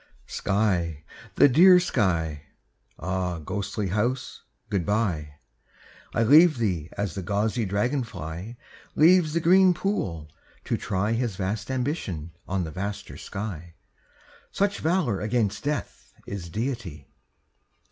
.... Sky, the dear sky! Ah, ghostly house, good by! I leave thee as the gauzy dragon fly Leaves the green pool to try His vast ambition on the vaster sky, Such valor against death Is deity.